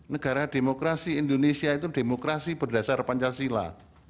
negara demokrasi indonesia itu demokrasi berdasar pancasila